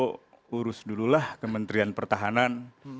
pak prabowo urus dululah kementerian pertahanan